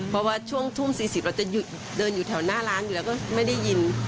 เพราะว่าช่วงทุ่ม๔๐เราจะเดินอยู่แถวหน้าร้านอยู่แล้วก็ไม่ได้ยิน